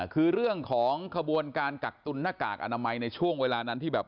คือเรื่องของขบวนการกักตุนหน้ากากอนามัยในช่วงเวลานั้นที่แบบ